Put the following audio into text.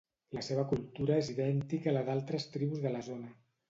La seva cultura és idèntica a la d'altres tribus de la zona.